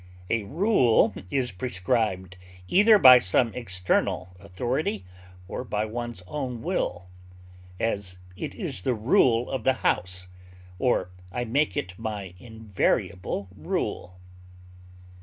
A rule is prescribed either by some external authority or by one's own will; as, it is the rule of the house; or, I make it my invariable rule.